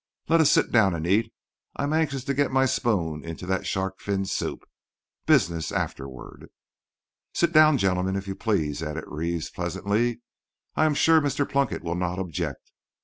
Let us sit down and eat. I am anxious to get my spoon into that shark fin soup. Business afterward." "Sit down, gentlemen, if you please," added Reeves, pleasantly. "I am sure Mr. Plunkett will not object.